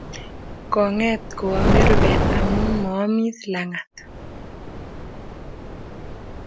Konget koame rubet amu maamis langat.